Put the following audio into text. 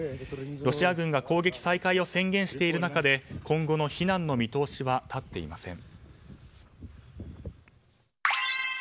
ロシア軍が攻撃再開を宣言している中で今後の避難の見通しは立っていません。